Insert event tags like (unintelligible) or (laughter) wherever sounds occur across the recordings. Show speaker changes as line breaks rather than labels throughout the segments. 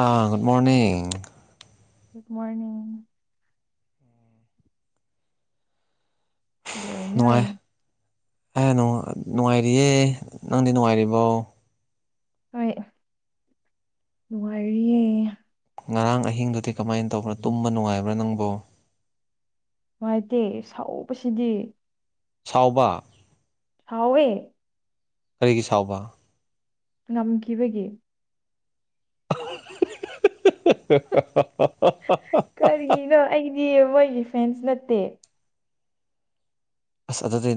ꯑꯥ good morning
good morning ꯀꯩꯗꯧꯔꯤꯅꯣ
ꯅꯨꯡꯉꯥꯏ ꯑꯦ ꯅꯨꯡꯉꯥꯏꯔꯤꯌꯦ ꯅꯪꯗꯤ ꯅꯨꯡꯉꯥꯏꯔꯤꯕꯣ
ꯍꯣꯏ ꯅꯨꯡꯉꯥꯏꯔꯤꯌꯦ
ꯉꯔꯥꯡ ꯑꯍꯤꯡꯗꯨꯗꯤ ꯀꯃꯥꯏꯅ ꯇꯧꯕ꯭ꯔꯣ ꯇꯨꯝꯕ ꯅꯨꯡꯉꯥꯏꯕ꯭ꯔꯥ ꯅꯪꯕꯨꯣ
ꯅꯨꯡꯉꯥꯏꯇꯦ ꯁꯥꯎꯁꯤꯗꯤ
ꯁꯥꯎꯕ
ꯍꯋꯦ
ꯀꯔꯤꯒꯤ ꯁꯥꯎꯕ
ꯉꯝꯈꯤꯕꯒꯤ
(unintelligible)
ꯀꯔꯤꯒꯤꯅꯣ ꯑꯩꯗꯤ ꯃꯣꯏꯒꯤ ꯐꯦꯟꯁ ꯅꯠꯇꯦ
ꯑꯁ ꯑꯗꯨꯗꯤ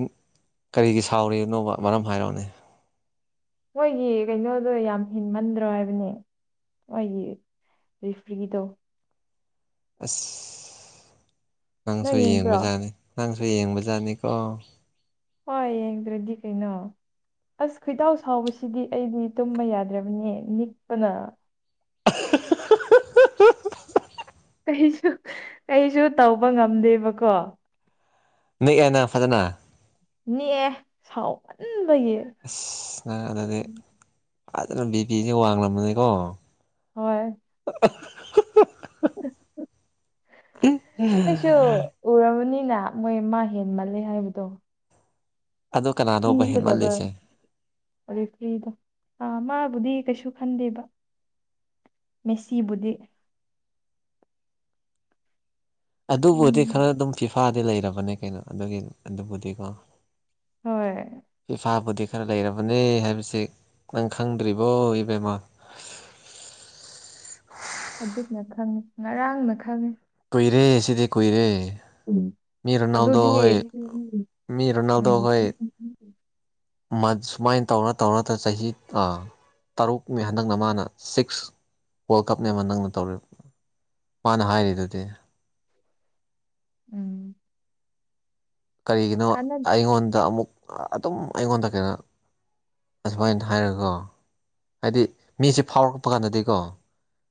ꯀꯔꯤꯒꯤ ꯁꯥꯎꯔꯤꯅꯣꯕ ꯃꯔꯝ ꯍꯥꯏꯔꯛꯑꯣꯅꯦ
ꯃꯣꯏꯒꯤ ꯀꯩꯅꯣꯗꯣ ꯌꯥꯝ ꯍꯦꯟꯃꯟꯗ꯭ꯔꯣ ꯍꯥꯏꯕꯅꯦ ꯃꯣꯢꯒꯤ ꯔꯤꯐ꯭ꯔꯤꯗꯣ
ꯑꯁ ꯅꯪꯁꯨ
ꯅꯪ ꯌꯦꯡꯕ꯭ꯔꯣ
ꯌꯦꯡꯕꯖꯥꯠꯅꯤ ꯅꯪꯁꯨ ꯌꯦꯡꯕꯖꯥꯠꯅꯤꯀꯣ
ꯍꯣꯏ ꯌꯦꯡꯗ꯭ꯔꯗꯤ ꯀꯩꯅꯣ ꯑꯁ ꯈꯣꯏꯇꯥꯎ ꯁꯥꯎꯕꯁꯤꯗꯤ ꯑꯩꯗꯤ ꯇꯨꯝꯕ ꯌꯥꯗ꯭ꯔꯕꯅꯦ ꯅꯤꯛꯄꯅ
(inaudible)
ꯀꯩꯁꯨ ꯀꯩꯁꯨ ꯇꯧꯕ ꯉꯝꯗꯦꯕꯀꯣ
ꯅꯦꯛꯑꯦ ꯅꯪ ꯐꯖꯅ
ꯅꯤꯛꯑꯦ ꯁꯥꯎꯃꯥꯟꯕꯒꯤ
ꯑꯁ ꯅꯪ ꯑꯗꯨꯗꯤ ꯐꯖꯅ ꯕꯤ ꯄꯤ ꯁꯦ ꯋꯥꯡꯂꯕꯅꯤꯀꯣ
ꯍꯣꯏ ꯑꯩꯁꯨ ꯎꯔꯕꯅꯤꯅ ꯃꯣꯏ ꯃꯥ ꯍꯦꯟ ꯃꯥꯜꯂꯦ ꯍꯥꯏꯕꯗꯣ
ꯑꯗꯣ ꯀꯅꯥꯅꯣꯕ ꯍꯦꯟꯃꯜꯂꯤꯁꯦ
ꯑꯥ ꯔꯦꯐ꯭ꯔꯤꯗꯣ ꯑ ꯃꯥꯕꯨꯗꯤ ꯀꯩꯁꯨ ꯈꯟꯗꯦꯕ ꯃꯦꯁꯤꯕꯨꯗꯤ
ꯑꯗꯨꯕꯨꯗꯤ ꯈꯔ
ꯎꯝ
ꯑꯗꯨꯝ ꯐꯤꯐꯥꯗꯤ ꯂꯩꯔꯕꯅꯦ ꯀꯩꯅꯣ ꯑꯗꯨꯒꯤ ꯑꯗꯨꯕꯨꯗꯤꯀꯣ
ꯍꯣꯏ
ꯐꯤꯐꯥꯕꯨꯗꯤ ꯈꯔ ꯂꯩꯔꯕꯅꯦ ꯍꯥꯏꯕꯁꯦ ꯅꯪ ꯈꯪꯗ꯭ꯔꯤꯕꯣ ꯏꯕꯦꯝꯃ
ꯍꯧꯖꯤꯛꯅ ꯈꯪꯉꯤ ꯉꯔꯥꯡꯅ ꯈꯪꯉꯤ
ꯀꯨꯏꯔꯦ ꯁꯤꯗꯤ ꯀꯨꯏꯔꯦ ꯃꯤ ꯔꯣꯅꯥꯜꯗꯣ
ꯑꯗꯨꯗꯤ
ꯍꯣꯏ
ꯎꯝ
ꯃꯤ ꯔꯣꯅꯥꯜꯗꯣ ꯍꯣꯏ ꯁꯨꯃꯥꯏꯅ ꯇꯧꯔ ꯇꯧꯔꯒ ꯆꯍꯤ ꯇꯔꯨꯛꯅꯤ ꯍꯟꯗꯛꯅ ꯃꯥꯅ ꯁꯤꯛꯁ ꯋꯥꯔꯜ ꯀꯞꯅꯦꯕ ꯅꯪꯅ ꯇꯧ ꯃꯥꯅ ꯍꯥꯏꯔꯤꯗꯨꯗꯤ
ꯎꯝ
ꯀꯔꯤꯒꯤꯅꯣ
ꯀꯥꯟꯅ
ꯑꯩꯉꯣꯟꯗ ꯑꯃꯨꯛ ꯑꯗꯨꯝ ꯑꯩꯉꯣꯟꯗ ꯀꯩꯅꯣ ꯑꯁꯨꯃꯥꯏꯅ ꯍꯥꯏꯔꯒ ꯍꯥꯏꯗꯤ ꯃꯤꯁꯦ ꯐꯥꯎꯔꯛꯄ ꯀꯥꯟꯗꯗꯤꯀꯣ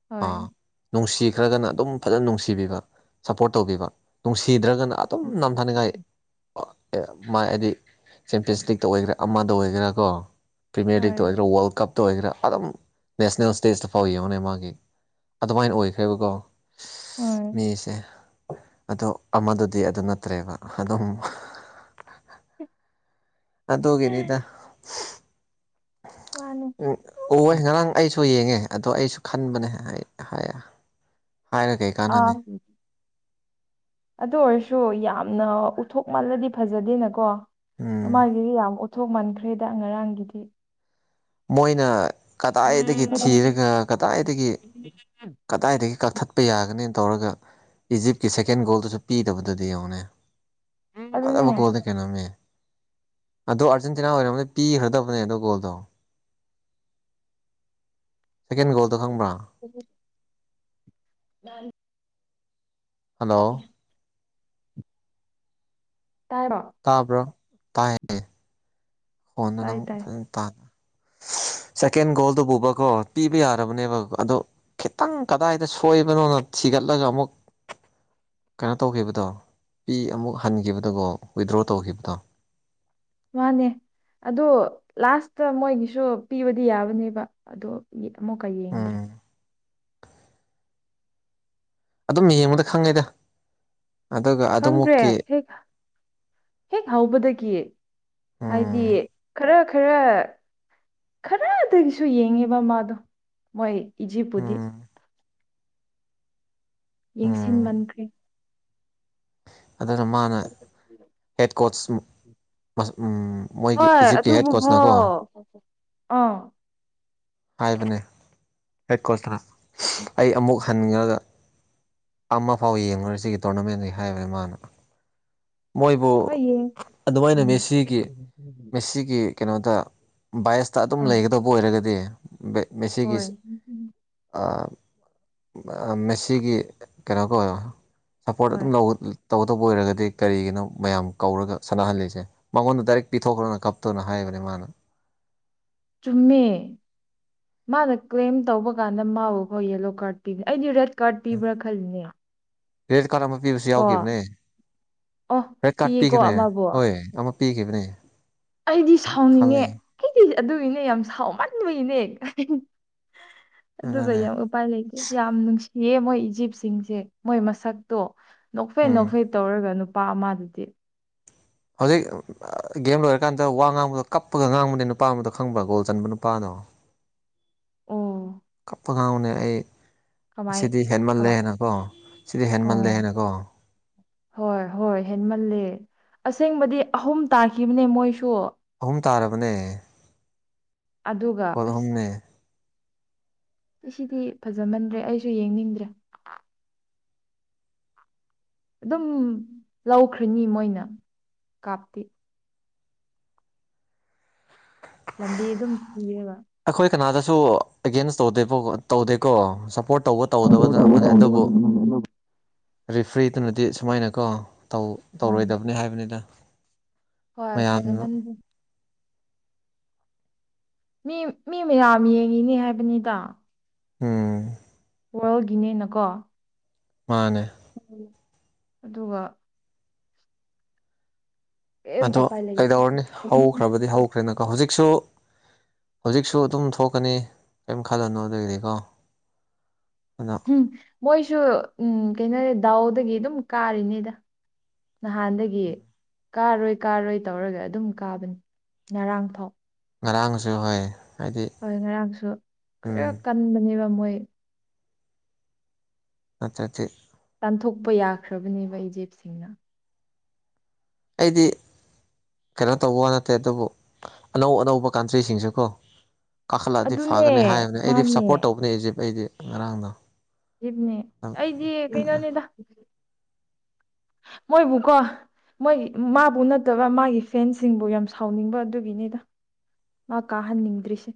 ꯍꯣꯏ
ꯑꯥ ꯅꯨꯡꯁꯤꯈ꯭ꯔꯒꯅ ꯑꯗꯨꯝ ꯐꯖꯅ ꯅꯨꯡꯁꯤꯕꯤꯕ ꯁꯄꯣꯔꯠ ꯇꯧꯕꯤꯕ ꯅꯨꯡꯁꯤꯗ꯭ꯔꯒꯅ ꯑ ꯑꯗꯨꯝ ꯅꯝꯊꯅꯤꯉꯥꯏ ꯑꯣ ꯑꯦ ꯃꯥꯏ ꯍꯥꯏꯗꯤ ꯆꯦꯝꯄꯤꯌꯟꯁ ꯂꯤꯛꯇ ꯑꯣꯏꯒꯦꯔꯥ ꯑꯃꯗ ꯑꯣꯏꯒꯦꯔꯥ ꯀꯣ ꯄ꯭ꯔꯤꯃꯤꯌꯔ ꯂꯤꯛꯇ
ꯍꯣꯏ
ꯑꯣꯏꯒꯦꯔꯥ ꯋꯥꯔꯜ ꯀꯞꯇ ꯑꯣꯏꯒꯦꯔꯥ ꯑꯗꯨꯝ ꯅꯦꯁꯅꯦꯜ ꯏꯁ꯭ꯇꯦꯖꯇ ꯐꯥꯎ ꯌꯦꯡꯉꯨꯅꯦ ꯃꯥꯒꯤ ꯑꯗꯨꯃꯥꯏꯅ ꯑꯣꯏꯈ꯭ꯔꯦꯕꯀꯣ
ꯍꯣꯏ
ꯃꯤꯁꯦ ꯑꯣ ꯑꯃꯗꯨꯗꯤ ꯑꯗꯨ ꯅꯠꯇ꯭ꯔꯦꯕ ꯑꯗꯨꯝ
ꯍ (unintelligible)
ꯑꯗꯨꯒꯤꯅꯤꯗ
ꯃꯥꯅꯦ
ꯎꯌꯦ ꯉꯔꯥꯡ ꯑꯩꯁꯨ ꯑꯩꯁꯨ ꯌꯦꯡꯉꯦ ꯑꯗꯣ ꯑꯩꯁꯨ ꯈꯟꯕꯅꯦ ꯍꯥꯏꯔꯒ
ꯑꯥ ꯑꯗꯨ ꯑꯣꯏꯔꯁꯨ ꯌꯥꯝꯅ ꯎꯠꯊꯣꯛ ꯃꯥꯜꯂꯗꯤ ꯐꯖꯗꯦꯅꯀꯣ
ꯎꯝ
ꯃꯥꯥꯏꯒꯤꯗꯤ ꯌꯥꯝ ꯎꯊꯣꯛ ꯃꯟꯈ꯭ꯔꯦꯗ ꯉꯔꯥꯡꯒꯤꯗꯤ
ꯃꯣꯏꯅ ꯀꯗꯥꯏꯗꯒꯤ ꯊꯤꯔꯒ ꯀꯗꯥꯏꯗꯒꯤ
ꯎ (inaudible)
ꯀꯗꯥꯏꯗꯒꯤ ꯀꯛꯊꯠꯄ ꯌꯥꯒꯅꯤ ꯇꯧꯔꯒ ꯏꯖꯤꯞꯀꯤ ꯁꯦꯀꯦꯟ ꯒꯣꯜꯗꯨꯁꯨ ꯄꯤꯗꯕꯗꯨꯅꯦ ꯌꯦꯡꯉꯨꯅꯦ ꯑꯗ
ꯑꯗꯨꯅꯦ
ꯃ ꯀꯣꯜꯗ ꯀꯅꯥ ꯃ (inaudible) ꯑꯗꯣ ꯑꯔꯖꯦꯟꯇꯤꯅꯥ ꯑꯣꯏꯔꯝꯃꯗꯤ ꯄꯤꯈ꯭ꯔꯗꯕꯅꯦ ꯑꯗꯣ ꯒꯣꯜꯗꯣ ꯁꯀꯦꯟ ꯒꯣꯜꯗꯣ ꯈꯪꯕ꯭ꯔꯥ
ꯎꯝ ꯂ
ꯍꯜꯂꯣ
ꯇꯥꯔꯛ
ꯇꯥꯕ꯭ꯔꯣ ꯇꯥꯏ ꯍꯣꯟꯅ
ꯇꯥꯏ
ꯅꯪ
ꯇꯥꯏ
ꯐꯖꯅ ꯇꯥꯅ ꯁꯦꯀꯦꯟ ꯒꯣꯜꯗꯨ ꯄꯨꯕꯀꯣ ꯄꯤꯕ ꯌꯥꯔꯕꯅꯦꯕ ꯑꯗꯣ ꯈꯤꯇꯪ ꯀꯗꯥꯏꯗ ꯁꯣꯏꯕꯅꯣꯅ ꯊꯤꯒꯠꯂꯒ ꯑꯃꯨꯛ ꯀꯩꯅꯣ ꯇꯧꯈꯤꯕꯗꯣ ꯄꯤ ꯑꯃꯨꯛ ꯍꯟꯈꯤꯕꯗꯨꯒꯣ ꯋꯤꯗ꯭ꯔꯣ ꯇꯧꯈꯤꯕꯗꯣ
ꯃꯥꯅꯦ ꯑꯗꯣ ꯂꯥꯁꯇ ꯃꯣꯏꯒꯤꯁꯨ ꯄꯤꯕꯗꯤ ꯌꯥꯕꯅꯦꯕ ꯑꯗꯣ ꯑꯃꯨꯛꯀ ꯌꯦꯡꯗ꯭ꯔꯦ
ꯎꯝ ꯑꯗꯨꯝ ꯌꯦꯡꯕꯗ ꯈꯪꯉꯦꯗ ꯑꯗꯨꯒ
ꯈꯪꯗ꯭ꯔꯦ
ꯑꯗꯨꯃꯛꯀꯤ
ꯍꯦꯛ ꯍꯦꯛ ꯍꯧꯕꯗꯒꯤ ꯍꯥꯏꯗꯤ
ꯎꯝ
ꯈꯔ ꯈꯔ ꯈꯔꯗꯒꯤꯁꯨ ꯌꯦꯡꯉꯦꯕ ꯃꯥꯗꯣ ꯃꯣꯏ ꯏꯖꯤꯞꯄꯨꯗꯤ
ꯎꯝ ꯎꯝ
ꯌꯦꯡꯁꯤꯟꯃꯟꯈ꯭ꯔꯦ
ꯑꯗꯨꯅ ꯃꯥꯅ ꯍꯦꯠ ꯀꯣꯆ ꯃꯣꯏꯒꯤ
ꯍꯣꯏ
ꯏꯖꯤꯞꯀꯤ ꯍꯦꯠ ꯀꯣꯁꯅ ꯀꯣ
ꯑꯗꯨꯕꯨꯐꯥꯎ ꯑꯥ
ꯍꯥꯏꯕꯅꯦ ꯍꯦꯛꯀꯣꯠꯇꯅ
ꯎꯝ ꯎꯝ
ꯑꯩ ꯑꯃꯨꯛ ꯍꯟꯈ꯭ꯔꯒ ꯑꯃꯐꯥꯎ ꯌꯦꯡꯉꯨꯔꯦ ꯁꯤꯒꯤ ꯇꯣꯔꯅꯥꯃꯦꯟꯗ ꯍꯥꯏꯕꯅꯤ ꯃꯥꯅ ꯃꯣꯏꯕꯨ
ꯍꯣꯏ ꯌꯦꯡ
ꯑꯗꯨꯃꯥꯏꯅ
ꯎꯝ
ꯃꯦꯁꯤꯒꯤ ꯃꯦꯁꯤꯒꯤ ꯀꯩꯅꯣꯗ ꯕꯥꯏꯁꯇ ꯑꯗꯨꯝ
ꯑꯥ
ꯂꯩꯒꯗꯧꯕ ꯑꯣꯏꯔꯒꯗꯤ ꯃꯁꯤꯦꯒꯤ
ꯍꯣꯏ
ꯃꯦꯁꯤꯒꯤ ꯀꯩꯅꯣꯒ ꯑꯣꯏꯔꯣ ꯁꯞꯄꯣꯔꯠ
ꯍꯣꯏ
ꯑꯗꯨꯝ ꯇꯧꯇꯧꯕ ꯑꯣꯏꯔꯒꯗꯤ ꯀꯔꯤꯒꯤꯅꯣ ꯃꯌꯥꯝ ꯀꯧꯔꯒ ꯁꯥꯟꯅꯍꯜꯂꯤꯁꯦ ꯃꯉꯣꯟꯗ ꯗꯥꯏꯔꯦꯛ ꯄꯤꯊꯣꯛꯈ꯭ꯔꯣꯅ ꯀꯞꯇ꯭ꯔꯅ ꯍꯥꯏꯕꯅꯦ ꯃꯥꯅ
ꯆꯨꯝꯃꯦ ꯃꯥꯅ ꯀ꯭ꯂꯦꯝ ꯇꯧꯕ ꯀꯥꯟꯗ ꯃꯥꯕꯨꯈꯣꯏ ꯌꯦꯂꯣ ꯀꯥꯔꯠ ꯄꯤꯕꯅꯦ ꯑꯩꯗꯤ ꯔꯦꯠ ꯀꯥꯇꯤꯕꯔ ꯈꯜꯅꯤ
ꯔꯦꯠ ꯀꯥꯔꯠ ꯑꯃ ꯄꯤꯕꯁꯨ ꯌꯥꯎꯈꯤꯕꯅꯦ
ꯑꯣ
ꯍꯣꯏ
ꯄꯤꯌꯦꯀꯣ
ꯀꯠꯄꯤꯈꯤꯕꯅꯦ
ꯑꯃꯕꯨ
ꯍꯣꯏ ꯑꯃ ꯄꯤꯈꯤꯕꯅꯦ
ꯑꯩꯗꯤ ꯁꯥꯎꯅꯤꯡꯉꯦ
ꯈꯪꯉꯦ
ꯑꯩꯗꯤ ꯑꯗꯨꯏꯅꯦ ꯌꯥꯝ ꯁꯥꯎꯃꯟꯕꯏꯅꯦ ꯑꯗꯨꯒ
ꯑꯗꯨꯅꯦ
ꯌꯥꯝ ꯎꯄꯥꯏ ꯂꯩꯇꯦ ꯌꯥꯝ ꯅꯨꯡꯁꯤꯌꯦ ꯃꯣꯏ ꯏꯖꯤꯞꯁꯤꯡꯁꯦ ꯃꯣꯏ ꯃꯁꯛꯇꯣ ꯅꯣꯛꯐꯩ
ꯎꯝ
ꯅꯣꯛꯐꯩ ꯇꯧꯔꯒ ꯅꯨꯄꯥ ꯑꯃꯗꯨꯗꯤ
ꯍꯧꯖꯤꯛ ꯒꯦꯝ ꯂꯣꯏꯔꯀꯥꯟꯗ ꯋꯥ ꯉꯥꯡꯕꯗꯣ ꯀꯞꯄꯒ ꯉꯥꯡꯕꯅꯦ ꯅꯨꯄꯥ ꯑꯃꯗꯣ ꯈꯪꯕ꯭ꯔꯥ ꯒꯣꯜ ꯆꯟꯕ ꯅꯨꯄꯥꯅꯣ
(unintelligible) ꯑꯣ
ꯀꯞꯄꯒ ꯎꯅꯦ ꯑꯩ
ꯀꯃꯥꯏ
ꯁꯤꯗꯤ ꯍꯦꯟꯃꯜꯂꯦ
ꯀꯃꯥꯏ
ꯍꯥꯏꯦꯅ ꯀꯣ ꯁꯤꯗꯤ
ꯑꯣ
ꯍꯦꯟꯃꯜꯂꯦ ꯍꯥꯏꯦꯅ ꯀꯣ
ꯍꯣꯏ ꯍꯣꯏ ꯍꯦꯟꯃꯜꯂ ꯑꯁꯦꯡꯕꯗꯤ ꯑꯍꯨꯝ ꯇꯥꯈꯤꯕꯅꯦ ꯃꯣꯏꯁꯨ
ꯑꯍꯨꯝ ꯇꯥꯔꯕꯅꯦ
ꯑꯗꯨꯒ
ꯒꯣꯜ
ꯑꯁ
ꯑꯍꯨꯝꯅꯦ
ꯁꯤ ꯁꯤꯗꯤ ꯐꯖꯃꯟꯗ꯭ꯔꯦ ꯑꯩꯁꯨ ꯌꯦꯡꯅꯤꯡꯗ꯭ꯔꯦ ꯑꯗꯨꯝ ꯂꯧꯈ꯭ꯔꯅꯤ ꯃꯣꯏꯅ ꯀꯥꯞꯇꯤ ꯂꯝꯕꯤ ꯑꯗꯨꯝ ꯌꯦꯕ
ꯑꯩꯈꯣꯏ ꯀꯅꯥꯗꯁꯨ ꯑꯦꯒꯦꯟꯁ ꯇꯧꯗꯦ ꯇꯧꯗꯦꯀꯣ ꯁꯄꯣꯔꯠ ꯇꯧꯕ
ꯁꯞꯄꯣꯔꯠ
ꯇꯧꯒꯗꯕꯗꯨꯅ ꯑꯃꯅꯤ ꯑꯗꯨꯕꯨ ꯔꯤꯐ꯭ꯔꯤꯗꯨꯅꯗꯤ ꯁꯨꯃꯥꯏꯅꯀꯣ
ꯎꯝ
ꯇꯧꯔꯣꯏꯗꯕꯅꯤ ꯍꯥꯏꯕꯅꯤꯅ
ꯍꯣꯏ ꯐꯖꯃꯟꯖꯦ ꯃꯤ ꯃꯤ ꯃꯌꯥꯝ ꯌꯦꯡꯉꯤꯅꯦ ꯍꯥꯏꯕꯅꯤꯗ
ꯎꯝ
ꯋꯥꯔꯜꯒꯤꯅꯦꯅꯀꯣ
ꯃꯥꯅꯦ
ꯎ ꯑꯗꯨꯒ ꯀꯩꯝ
ꯑꯗꯣ
ꯎꯄꯥꯏ ꯂꯩꯇꯦ
ꯀꯩꯗꯧꯔꯅꯤ ꯍꯧꯈ꯭ꯔꯕꯗꯤ ꯍꯧꯈ꯭ꯔꯦꯅꯀꯣ ꯍꯧꯖꯤꯛꯁꯨ ꯍꯧꯖꯤꯛꯁꯨ ꯑꯗꯨꯝ ꯊꯣꯛꯀꯅꯤ ꯀꯔꯤꯝ ꯈꯜꯂꯅꯨ ꯑꯗꯨꯗꯒꯤꯗꯤꯀꯣ
ꯎꯝ ꯃꯣꯏꯁꯨ ꯎꯝ ꯀꯩꯅꯣꯔꯦ ꯗꯥꯎꯗꯒꯤ ꯑꯗꯨꯝ ꯀꯥꯔꯤꯅꯤꯗ ꯅꯍꯥꯟꯗꯒꯤ ꯀꯥꯔꯣꯏ ꯀꯥꯔꯣꯏ ꯇꯧꯔꯒ ꯑꯗꯨꯝ ꯀꯥꯕꯅꯤ ꯉꯔꯥꯡ ꯊꯥꯎ
ꯉꯔꯥꯡꯁꯨ ꯍꯣꯏ ꯍꯥꯏꯗꯤ
ꯍꯣꯏ ꯉꯔꯥꯡꯁꯨ ꯈꯔ
ꯎꯝ
ꯀꯟꯕꯅꯦꯕ ꯃꯣꯏ
ꯑꯆꯥ
ꯇꯥꯟꯊꯣꯛꯄ ꯌꯥꯈ꯭ꯔꯕꯅꯦꯕ ꯏꯆꯦꯞꯁꯤꯡꯅ
ꯑꯩꯗꯤ ꯀꯩꯅꯣ ꯇꯧꯕ ꯋꯥ ꯅꯠꯇꯦ ꯑꯗꯨꯕꯨ ꯑꯅꯧ ꯑꯅꯧꯕ ꯀꯟꯇ꯭ꯔꯤꯁꯤꯡꯁꯨ ꯀꯣ ꯀꯥꯈꯠꯂꯛꯑꯗꯤ
ꯑꯗꯨꯅꯦ
ꯐꯒꯅꯤ ꯍꯥꯏꯕꯅꯦ ꯑꯩꯗꯤ
ꯃꯥꯅꯦ
ꯁꯞꯄꯣꯔꯠ ꯇꯧꯕꯅꯦ ꯏꯖꯤꯞ ꯑꯩꯗꯤ ꯉꯔꯥꯡꯅ
ꯏꯞꯅꯦ ꯑꯩꯗꯤ ꯀꯩꯅꯣꯅꯦꯗ ꯃꯣꯏꯕꯨꯀꯣ ꯃꯣꯏꯒꯤ ꯃꯥꯕꯨ ꯅꯠꯇꯕ ꯃꯥꯒꯤ ꯐꯦꯟꯁꯤꯡꯕꯨ ꯌꯥꯝ ꯁꯥꯎꯅꯤꯡꯕ ꯑꯗꯨꯒꯤꯅꯤꯗ ꯃꯥ ꯀꯥꯍꯟꯅꯤꯡꯗ꯭ꯔꯤꯁꯦ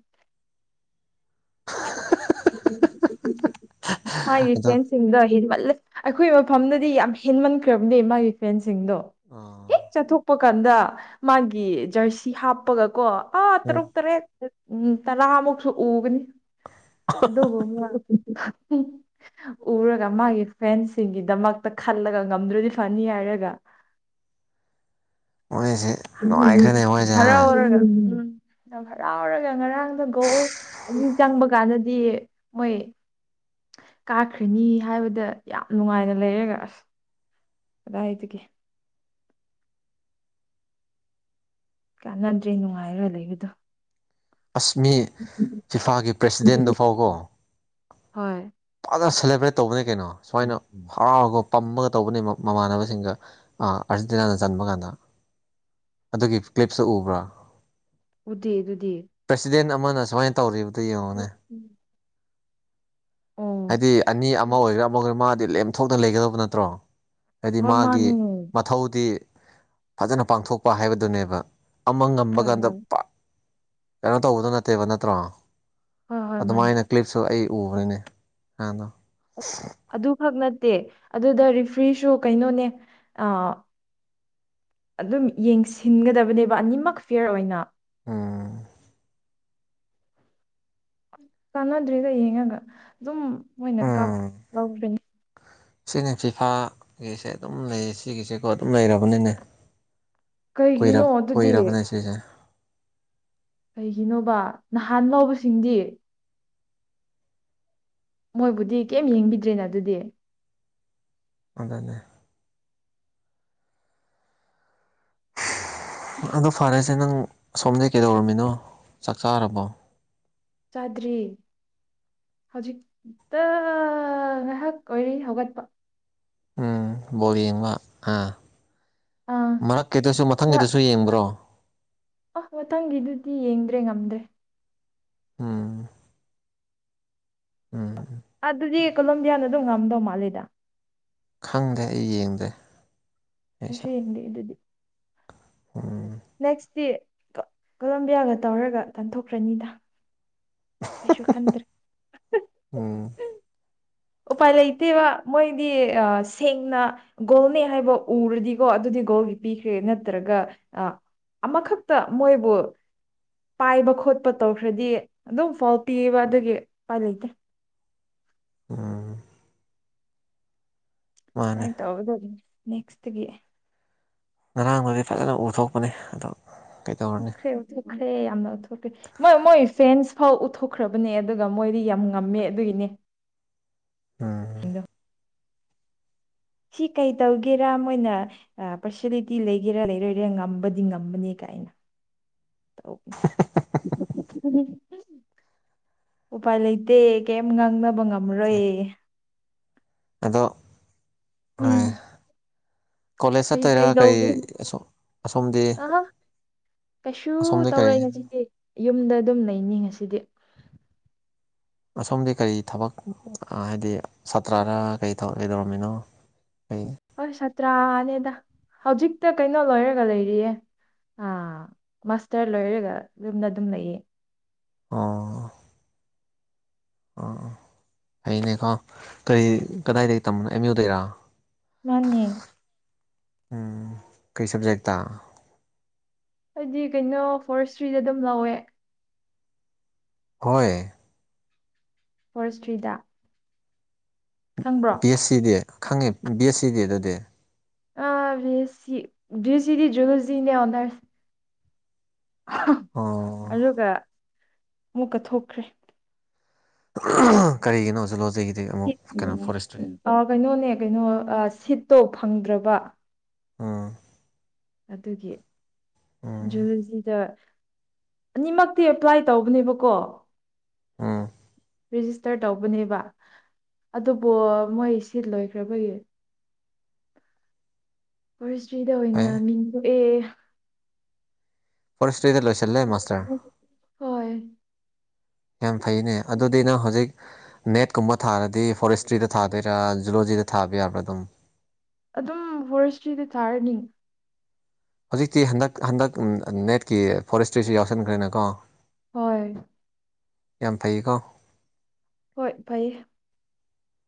ꯍꯋꯦꯟ ꯁꯤꯡꯗꯗꯤ ꯑꯩꯈꯣꯏ ꯃꯐꯝꯗꯗꯤ ꯌꯥꯝ ꯍꯦꯟꯃꯟꯈ꯭ꯔꯕꯅꯦ ꯃꯥꯒꯤ ꯐ꯭ꯔꯦꯟꯁꯤꯡꯗꯣ
ꯑꯥ
ꯆꯠꯊꯣꯛꯄ ꯀꯥꯟꯗ ꯃꯥꯒꯤ ꯖꯔꯁꯤ ꯍꯥꯞꯄꯒꯀꯣ ꯑꯥ ꯇꯔꯨꯛ ꯇꯔꯦꯠ ꯎꯝ ꯇꯔꯥꯃꯨꯛꯁꯨ ꯎꯒꯅꯤ ꯑꯗꯨꯕꯨ ꯎꯔꯒ ꯃꯥꯒꯤ ꯐꯦꯟꯁꯤꯡꯒꯤꯗꯃꯛꯇ ꯈꯜꯂꯒ ꯉꯝꯗ꯭ꯔꯗꯤ ꯐꯅꯤ ꯍꯥꯏꯔꯒ
ꯃꯣꯏꯁꯦ ꯅꯨꯡꯉꯥꯏꯈ꯭ꯔꯦꯅꯦ ꯃꯣꯏꯁꯦ ꯍꯥ
ꯍꯔꯔ ꯍꯔꯥꯎꯔꯒ ꯉꯔꯥꯡꯗꯒꯣ ꯑꯗꯨ ꯆꯪꯕ ꯀꯥꯟꯗꯗꯤ ꯃꯣꯏ ꯀꯥꯈ꯭ꯔꯤꯅꯤ ꯍꯥꯏꯕꯗ ꯌꯥꯝ ꯅꯨꯡꯉꯥꯏꯅ ꯂꯩꯔꯒ ꯑꯁ ꯔꯥꯏꯇꯒꯤ ꯀꯥꯟꯅꯗ꯭ꯔꯦ ꯅꯨꯡꯉꯥꯏꯔꯣꯏ ꯂꯩꯕꯗꯣ
ꯑꯁꯃꯤ ꯐꯤꯐꯥꯒꯤ ꯄ꯭ꯔꯦꯁꯤꯗꯦꯟꯗꯨ ꯐꯥꯎꯀꯣ
ꯍꯣꯏ
ꯐꯖꯅ ꯁꯦꯂꯦꯕ꯭ꯔꯦꯠ ꯇꯧꯕꯅꯤ ꯀꯩꯅꯣ ꯁꯨꯃꯥꯏꯅ ꯍꯔꯥꯎꯔꯒ ꯄꯝꯃꯒ ꯇꯧꯕꯅꯦ ꯃꯃꯥꯟꯅꯕꯁꯤꯡꯒ ꯑꯥꯔꯖꯦꯟꯇꯤꯅꯥꯅ ꯆꯟꯕ ꯀꯥꯟꯗ ꯑꯗꯨꯒꯤ ꯀ꯭ꯂꯤꯞꯁꯨ ꯎꯕ꯭ꯔꯥ
ꯎꯗꯤ ꯑꯗꯨꯗꯤ
ꯄ꯭ꯔꯁꯤꯗꯦꯟ ꯑꯃꯅ ꯁꯨꯃꯥꯏꯅ ꯇꯧꯔꯤꯕꯗꯨ ꯌꯦꯡꯉꯨꯅꯦ
ꯎꯝ
ꯍꯥꯏꯗꯤ ꯑꯅꯤ ꯑꯃ ꯑꯣꯏꯒꯦꯔꯥ ꯑꯃ ꯑꯣꯏꯒꯔꯥ ꯃꯥꯗꯤ ꯂꯦꯝꯊꯣꯛꯇꯅ ꯂꯩꯒꯗꯕ ꯅꯠꯇ꯭ꯔꯣ ꯍꯥꯏꯗꯤ
ꯍꯣꯏ
ꯃꯥꯒꯤ
ꯃꯥꯅꯦ ꯍꯣꯏ
ꯃꯊꯧꯗꯤ ꯐꯖꯅ ꯄꯥꯡꯊꯣꯛꯄ ꯍꯥꯏꯕꯗꯨꯅꯦꯕ ꯑꯃ ꯉꯝꯕ
ꯍꯣꯏ
ꯀꯥꯟꯗ ꯀꯩꯅꯣ ꯇꯧꯕꯗꯣ ꯅꯠꯇꯦꯕ ꯅꯠꯇ꯭ꯔꯣ
ꯍꯣꯏ ꯍꯣꯏ ꯃꯥꯅꯦ
ꯑꯗꯨꯃꯥꯏꯅ ꯀ꯭ꯂꯤꯞꯁꯨ ꯑꯩ ꯎꯈꯔꯦꯅꯦ ꯗꯨꯃꯥꯢꯅ
ꯑꯗꯨꯈꯛ ꯅꯠꯇꯦ ꯑꯗꯨꯗ ꯔꯤꯐ꯭ꯔꯤꯁꯨ ꯀꯩꯅꯣꯅꯦ ꯑ ꯑꯗꯨꯝ ꯌꯦꯡꯁꯤꯟꯒꯗꯕꯅꯦꯕ ꯑꯅꯤꯃꯛ ꯐꯤꯌꯔ ꯑꯣꯏꯅ
ꯎꯝ
ꯀꯥꯟꯅꯗ꯭ꯔꯤꯒ ꯌꯦꯡꯉꯒ ꯑꯗꯨꯝ ꯃꯣꯏꯅ ꯀꯥꯞ ꯂꯧꯔꯤꯕꯅꯤ
ꯁꯤꯅꯦ ꯐꯤꯐꯥꯒꯤꯁꯦ ꯑꯗꯨꯝ ꯂꯩꯌꯦ ꯁꯤꯒꯤꯁꯦꯀꯣ ꯑꯗꯨꯝ ꯂꯩꯔꯕꯅꯤꯅꯦ
ꯀꯩꯒꯤꯅꯣ ꯑꯗꯨꯗꯤ
ꯁꯦꯁꯦ
ꯀꯩꯒꯤꯅꯣꯕ ꯅꯍꯥꯟ ꯂꯥꯎꯕꯁꯤꯡꯗꯤ ꯃꯣꯏꯕꯨꯗꯤ ꯀꯩꯝ ꯌꯦꯡꯕꯤꯗ꯭ꯔꯦꯅ ꯑꯗꯨꯗꯤ
ꯑꯗꯨꯗꯅꯦ ꯑꯗꯣ ꯐꯔꯁꯦ ꯅꯪ ꯁꯁꯣꯝꯗꯒꯤꯩ ꯀꯩꯗꯧꯔꯃꯤꯅꯣ ꯆꯥꯛ ꯆꯥꯔꯕꯣ
ꯆꯥꯗ꯭ꯔꯤ ꯍꯧꯖꯤꯛꯇ ꯉꯥꯏꯍꯥꯛ ꯑꯣꯏꯔꯤ ꯍꯧꯒꯠꯄ
ꯎꯝ ꯕꯣꯔ ꯌꯦꯡꯕ ꯑꯥ
ꯑꯥ
ꯃꯔꯛꯀꯤꯗꯁꯨ ꯃꯊꯪꯒꯤꯗꯁꯨ ꯌꯦꯡꯕ꯭ꯔꯣ
ꯑ ꯃꯊꯪꯒꯤꯗꯨꯗꯤ ꯌꯦꯡꯗ꯭ꯔꯦ ꯉꯝꯗ꯭ꯔꯦ
ꯎꯝ ꯎꯝ
ꯑꯗꯨꯗꯤ ꯀꯣꯂꯝꯝ ꯌꯥꯟ ꯑꯗꯨꯝ ꯉꯝꯗꯧ ꯃꯥꯜꯂꯦꯗ
ꯈꯪꯗꯦ ꯑꯩ ꯌꯦꯡꯗꯦ ꯑꯩꯁꯨ
ꯗꯦ ꯑꯗꯨꯗꯤ
ꯎꯝ
ꯅꯦꯛꯁꯇꯤ ꯀꯣꯂꯝꯕꯤꯌꯥꯒ ꯇꯧꯔꯒ ꯇꯥꯟꯊꯣꯛꯈ꯭ꯔꯅꯤꯗ ꯇꯁꯁꯨ ꯈꯗ꯭ꯔ
ꯎꯝ
ꯎꯄꯥꯏ ꯂꯩꯇꯦꯕ ꯃꯣꯏꯗꯤ ꯁꯦꯡꯅ ꯒꯣꯜꯅꯦ ꯍꯥꯏꯕ ꯎꯔꯗꯤꯀꯣ ꯑꯗꯨꯗꯤ ꯒꯣꯜꯒꯤ ꯄꯤꯈ꯭ꯔꯦ ꯅꯠꯇ꯭ꯔꯒ ꯑ ꯑꯃꯈꯛꯇ ꯃꯣꯏꯕꯨ ꯄꯥꯏꯕ ꯈꯣꯠꯄ ꯇꯧꯈ꯭ꯔꯗꯤ ꯑꯗꯨꯝ ꯐꯣꯜ ꯄꯤꯕ ꯑꯗꯨꯒꯤ ꯎꯄꯥꯏ ꯂꯩꯇꯦ
ꯎꯝ ꯃꯥꯅꯦ
ꯑꯥꯏ ꯇꯥꯎꯗ ꯑꯗꯨ ꯅꯦꯛꯁꯠ ꯒꯤ
ꯉꯔꯥꯡꯗꯨꯗꯤ ꯐꯖꯅ ꯎꯊꯣꯛꯄꯅꯤ ꯑꯗꯨꯗꯣ
ꯑꯣꯊꯈ꯭ꯔꯦ ꯑꯣꯊꯣꯛꯈ꯭ꯔꯦ ꯑꯣꯊꯈ꯭ꯔꯦ ꯃꯣꯏ ꯃꯣꯏ ꯐꯦꯟꯁ ꯐꯥꯎ ꯎꯠꯊꯣꯛꯈ꯭ꯔꯕꯅꯦ ꯑꯗꯨꯒ ꯃꯣꯏꯗꯤ ꯌꯥꯝ ꯉꯝꯃꯦ ꯑꯗꯨꯒꯤꯅꯦ
ꯎꯝ
ꯁꯤ ꯀꯩ ꯇꯧꯒꯦꯔꯥ ꯃꯣꯏꯅ ꯄꯥꯔꯁꯂꯤꯇꯤ ꯂꯩꯒꯦꯔꯥ ꯂꯩꯔꯣꯏꯔꯥ ꯉꯝꯕꯗꯤ ꯉꯝꯕꯅꯦ ꯀ ꯑꯩꯅ ꯎꯄꯥꯏ ꯂꯩꯇ ꯀꯩꯦꯝ ꯉꯥꯡꯅꯕ ꯉꯝꯔꯣꯏ
ꯑꯗꯣ ꯄꯥꯏ
ꯎꯝ
ꯀꯣꯂꯦꯖ
ꯀꯩ
ꯆꯠꯇꯣꯏꯔ ꯀꯔꯤ
ꯀꯩꯗꯧꯒꯦ
ꯑꯁꯣꯝꯗꯤ
ꯑꯍ ꯀꯩꯁꯨ
ꯑꯁꯣꯝꯗꯤ
ꯇꯧꯔꯦ
ꯀꯔꯤ
ꯉꯁꯤꯗꯤ ꯌꯨꯝꯗ ꯑꯗꯨꯝ ꯂꯩꯅꯤ ꯉꯁꯤꯗꯤ
ꯑꯁꯣꯝꯗꯤ ꯀꯔꯤ ꯊꯕꯛ ꯍꯥꯏꯗꯤ ꯁꯥꯇ꯭ꯔꯅ ꯀꯔꯤꯛ ꯀꯩꯗꯧꯔꯝꯃꯤꯅꯣ ꯑꯩ
ꯍꯣꯏ ꯁꯥꯇ꯭ꯔꯥꯅꯦꯗ ꯍꯧꯖꯤꯛꯇ ꯀꯩꯅꯣ ꯂꯣꯏꯔꯒ ꯂꯩꯔꯤꯌꯦ ꯃꯥꯁꯇꯔ ꯂꯣꯏꯔꯒ ꯌꯨꯝꯅ ꯑꯗꯨꯝ ꯂꯩꯌꯦ
ꯑꯣ ꯑꯥ ꯍꯩꯅꯦꯀꯣ ꯀꯔꯤ ꯀꯗꯥꯏꯗꯒꯤꯣ ꯑꯦꯝ ꯌꯨꯗꯩꯔꯥ
ꯃꯥꯅꯤꯦ
ꯎꯝ ꯀꯩ ꯁꯕꯖꯦꯛ
ꯍꯥꯏꯗꯤ ꯀꯩꯅꯣ ꯐꯣꯔꯁ ꯊ꯭ꯔꯤꯗ ꯑꯗꯨꯝ ꯂꯧꯋꯦ
ꯍꯣꯏ
ꯐꯣꯔꯦꯁꯇ꯭ꯔꯤꯗ ꯈꯪꯕ꯭ꯔꯣ
ꯕꯤ ꯑꯦꯁ ꯁꯤꯗꯤ ꯈꯪꯉꯦ ꯕꯤ ꯑꯦꯁ ꯁꯤꯗꯤ ꯑꯗꯨꯗꯤ
ꯑ ꯁꯤ ꯁꯤꯗꯤ ꯖꯨꯂꯁꯤꯅꯦ ꯑꯣꯔꯁꯤ
ꯑꯣ
ꯑꯗꯨꯒ ꯑꯃꯨꯛꯀ ꯊꯣꯛꯈ꯭ꯔꯦ
ꯀꯔꯤꯒꯤꯅꯣ ꯍꯧꯖꯤꯛ ꯂꯣꯖꯩꯒꯤꯗꯤ ꯑꯃꯨꯛ ꯀꯩꯅꯣ ꯐꯣꯔꯦꯁꯇ꯭ꯔꯤ
ꯑ ꯀꯩꯅꯣꯅꯦ ꯀꯩꯅꯣ ꯁꯤꯠꯇꯣ ꯐꯪꯗ꯭ꯔꯕ
ꯑꯥ
ꯑꯗꯨꯒꯤ
ꯎꯝ
ꯖꯨꯖꯤꯗ ꯑꯅꯤꯃꯛꯇꯤ ꯑꯦꯄ꯭ꯂꯥꯏ ꯇꯧꯕꯅꯦꯕꯀꯣ
ꯎꯝ
ꯔꯦꯖꯤꯁꯇꯔ ꯇꯧꯕꯅꯦꯕ ꯑꯗꯨꯕꯨ ꯃꯣꯏ ꯁꯤ ꯂꯣꯏꯈ꯭ꯔꯕꯒꯤ ꯐꯣꯔꯦꯁꯇ꯭ꯔꯤꯗ ꯑꯣꯏꯅ
ꯐꯩ
ꯃꯤꯡꯊꯣꯛꯑꯦ
ꯐꯁꯇꯔꯤꯗ ꯂꯣꯏꯁꯤꯂꯦ ꯃꯥꯥꯁꯇꯔ
ꯍꯣꯏ
ꯌꯥꯝ ꯐꯩꯅꯦ ꯑꯗꯨꯗꯤꯩꯅ ꯍꯧꯖꯤꯛ ꯅꯦꯠꯀꯨꯝꯕ ꯊꯥꯔꯗꯤ ꯐꯣꯔꯦꯁꯇ꯭ꯔꯤꯗ ꯊꯥꯗꯣꯏꯔꯥ ꯖꯨꯂꯣꯖꯤꯗ ꯊꯥꯕ ꯌꯥꯕ꯭ꯔꯥ ꯑꯗꯨꯝ
ꯑꯗꯨꯝ ꯍꯣꯔꯦꯁꯇ꯭ꯔꯤꯗ ꯊꯥꯔꯅꯤ
ꯍꯧꯖꯤꯛꯇꯤ ꯍꯟꯗꯛ ꯍꯟꯗꯛ ꯅꯦꯠꯀꯤ ꯐꯣꯔꯦꯁꯇ꯭ꯔꯤꯁꯨ ꯌꯥꯎꯁꯟꯈ꯭ꯔꯦꯅꯀꯣ
ꯍꯣꯏ
ꯌꯥꯝ ꯐꯩꯀꯣ
ꯍꯣꯏ ꯐꯩꯌꯦ